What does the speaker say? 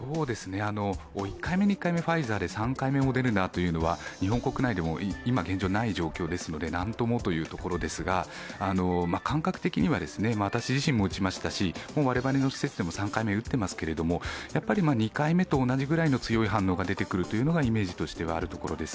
１回目、２回目、ファイザーで３回目モデルナというのは日本国内でも現状ない状況ですので、なんともというところですが感覚的には私自身も打ちましたし、我々の施設でも３回目、打ってますけど２回目と同じぐらいの強い反応が出てくるというのがイメージとしてはあるところです。